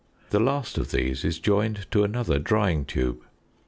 The last of these is joined to another drying tube.